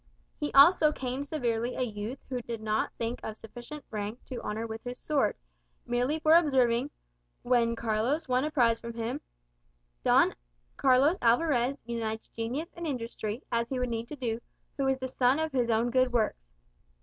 He also caned severely a youth whom he did not think of sufficient rank to honour with his sword, merely for observing, when Carlos won a prize from him, "Don Carlos Alvarez unites genius and industry, as he would need to do, who is the son of his own good works."